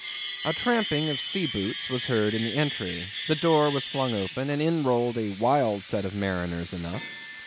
A tramping of sea boots was heard in the entry; the door was flung open, and in rolled a wild set of mariners enough.